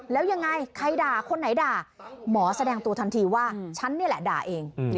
แล้วยังไงใครด่าคนไหนด่าหมอแสดงตัวทันทีว่าฉันนี่แหละด่าเอง